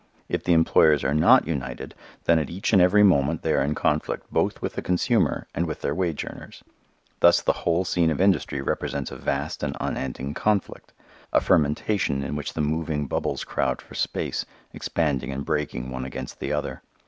If the employers are not united, then at each and every moment they are in conflict both with the consumer and with their wage earners. Thus the whole scene of industry represents a vast and unending conflict, a fermentation in which the moving bubbles crowd for space, expanding and breaking one against the other.